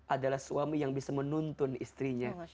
adalah suami yang bisa menuntun istrinya